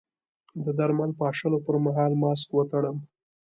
د درمل پاشلو پر مهال ماسک وتړم؟